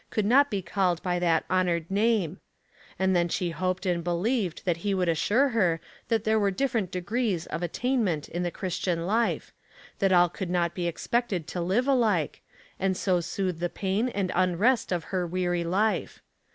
could not be called by that honored name ; and then she hoped and believed that he would assure her that there were different degrees of attainment in the Christian life, that all could not be expected to live alike, and so sootlie the pain and unrest of her weary life.